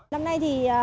năm nay thì